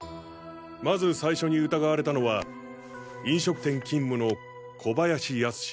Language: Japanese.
まず最初に疑われたのは飲食店勤務の小林康。